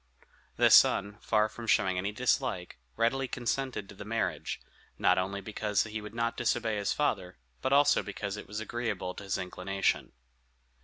The son, far from showing any dislike, readily consented to the marriage; not only because he would not disobey his father, but also because it was agreeable to his inclination.